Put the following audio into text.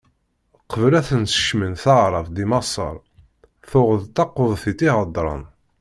Qbel ad ten-tekcem taɛrabt, deg Maṣer tuɣ d taqebṭit i heddren.